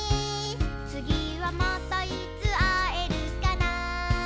「つぎはまたいつあえるかな」